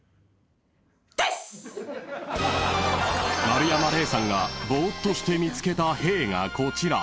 ［丸山礼さんがぼーっとして見つけたへぇーがこちら］